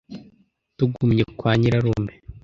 tugumye kwa nyirarume